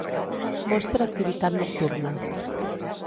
Mostra activitat nocturna.